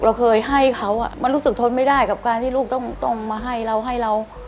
เราเคยให้เขาอ่ะมันรู้สึกทนไม่ได้กับการที่ลูกต้องมาให้เราให้เรา